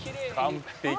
「完璧！」